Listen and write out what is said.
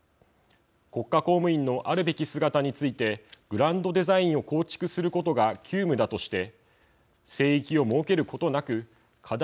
国家公務員のあるべき姿についてグランドデザインを構築することが急務だとして聖域を設けることなく課題